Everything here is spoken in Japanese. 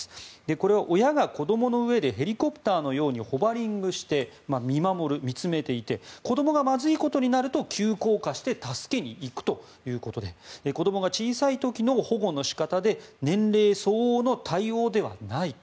これは親が子どもの上でヘリコプターのようにホバリングして見守る、見つめていて子どもがまずいことになると急降下して助けに行くということで子どもが小さい時の保護の仕方で年齢相応の対応ではないと。